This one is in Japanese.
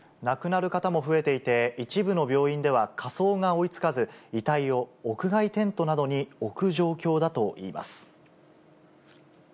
亡くなる方も増えていて、一部の病院では火葬が追いつかず、遺体を屋外テントなどに置く状況だといいます。